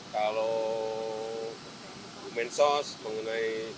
kalau bu mensos mengenai